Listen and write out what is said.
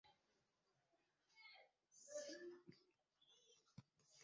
onye bụ onye ọrụ ahụike wuru èwù na mba ụwa